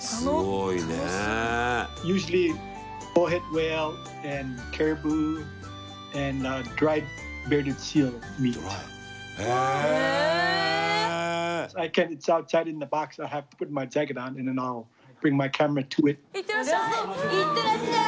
いってらっしゃい！